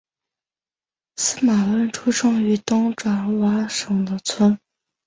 司马温出生于东爪哇省的村。